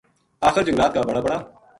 آخر جنگلات کا بڑ ا بڑا